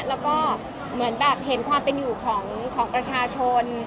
แล้วก็เห็นความเป็นอยู่ของประชาชน